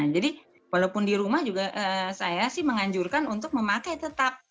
jadi walaupun di rumah juga saya sih menganjurkan untuk memakai tetap